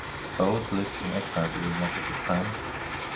Both lived in exile during much of this time.